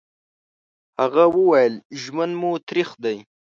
هغه وويل: ژوند مو تريخ دی.